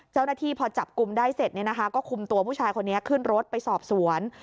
เจ้าหน้าที่พอจับกลุ่มได้เสร็จก็คุมตัวผู้ชายคนนี้ขึ้นรถไปสอบสวน